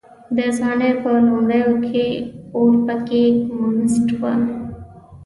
د ځوانۍ په لومړيو کې اورپکی کمونيسټ و.